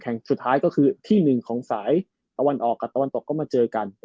สุดท้ายก็คือที่หนึ่งของสายตะวันออกกับตะวันตกก็มาเจอกัน